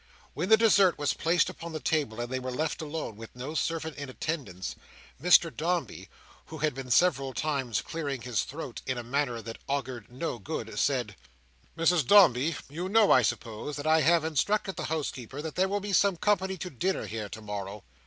When the dessert was placed upon the table, and they were left alone, with no servant in attendance, Mr Dombey, who had been several times clearing his throat in a manner that augured no good, said: "Mrs Dombey, you know, I suppose, that I have instructed the housekeeper that there will be some company to dinner here to morrow."